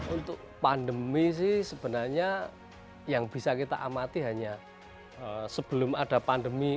untuk pandemi sih sebenarnya yang bisa kita amati hanya sebelum ada pandemi